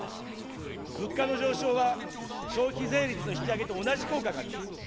物価の上昇は、消費税率の引き上げと同じ効果があります。